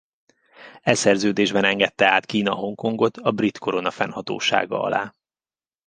E szerződésben engedte át Kína Hongkongot a brit korona fennhatósága alá.